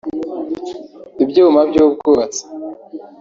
ibyuma by’ubwubatsi